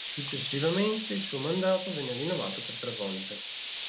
Successivamente il suo mandato venne rinnovato per tre volte.